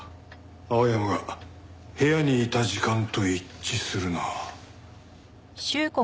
青山が部屋にいた時間と一致するな。